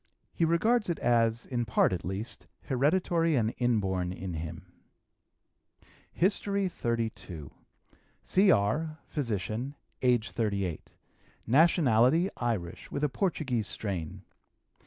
He regards it as, in part, at least, hereditary and inborn in him. HISTORY XXXII. C.R., physician; age 38. Nationality, Irish, with a Portuguese strain.